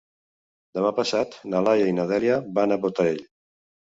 Demà passat na Laia i na Dèlia van a Botarell.